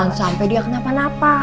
jangan sampai dia kenapa napa